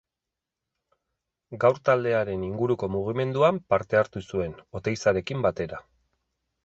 Gaur taldearen inguruko mugimenduan parte hartu zuen, Oteizarekin batera.